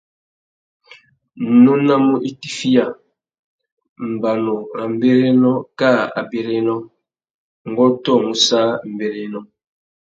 Nônamú itifiya, mbanu râ mbérénô kā abérénô, ngu ôtōmú sā mbérénô.